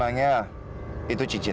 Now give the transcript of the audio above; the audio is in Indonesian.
dan aktifkan atualisasi video ini